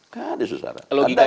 gak ada isu sara